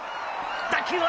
打球は。